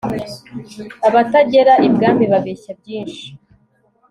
abatagera i bwami ,babeshya byinshi